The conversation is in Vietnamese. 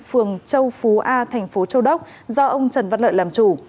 phường châu phú a thành phố châu đốc do ông trần văn lợi làm chủ